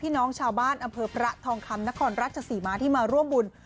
น้องชาวบ้านอำเภอพระทองคำนครราชศรีมาที่มาร่วมบุญ